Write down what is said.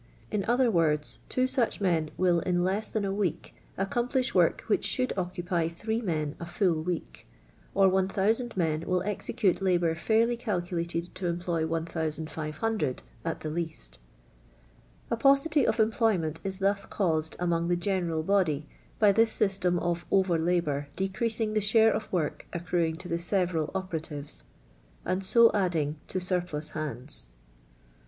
In other words, two such men will in less than a week ac complish work which should occupy three men a full week; or 1000 men will execute labour fairly | calculated to employ 1500 at the least A paucity I of employment is thus caused among the general | body, by this system of over labour decreasing the | share of work accruing to the several operatives, | and so adding to surplus hands.